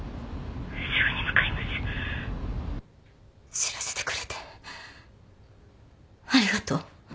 知らせてくれてありがとう。